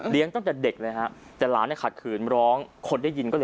เลี้ยงตั้งแต่เด็กเลยนะ